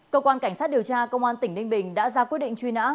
cơ quan cảnh sát điều tra công an tỉnh ninh bình đã ra quyết định truy nã